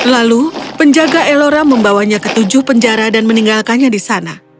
lalu penjaga elora membawanya ke tujuh penjara dan meninggalkannya di sana